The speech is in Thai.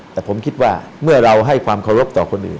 แต่ผมคิดว่าเมื่อเราให้ความเคารพต่อคนอื่น